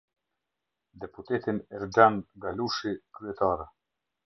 Deputetin Erxhan Galushi, kryetar.